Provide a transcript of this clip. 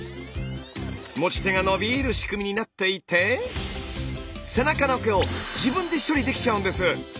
持ち手がのびる仕組みになっていて背中の毛を自分で処理できちゃうんです！